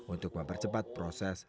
untuk mempercepat proses